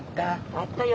あったよ。